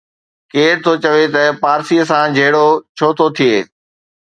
ڪير ٿو چوي ته پارسيءَ سان جهيڙو ڇو ٿو ٿئي.